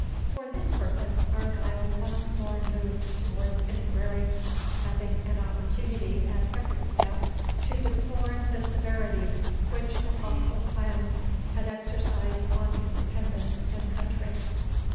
For this purpose, Argyle once more moved towards Inverary, having an opportunity, at every step, to deplore the severities which the hostile clans had exercised on his dependants and country.